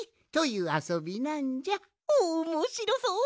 おもしろそう！